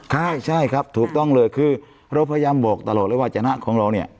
ใช่ใช่ครับถูกต้องเลยคือเราพยายามบอกตลอดเลยว่าชนะของเราเนี่ย